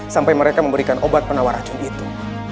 sampai mereka memberikan obat penawar racun itu